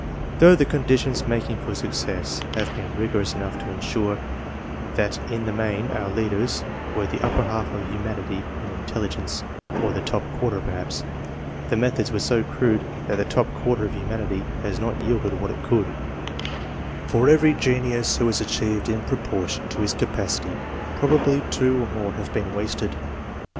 Though the conditions making for suc cess have been rigorous enough to insure that in the main our leaders were the upper half of humanity in in telligence, — or the top quarter, perhaps, — the methods were so crude that the top quarter of humanity has not yielded what it could* For every genius who has achieved in proportion to his capacity, probably two or more have been wasted.